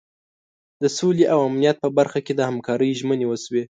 د سولې او امنیت په برخه کې د همکارۍ ژمنې وشوې.